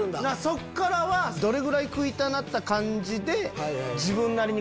そっからはどれぐらい食いたなった感じで。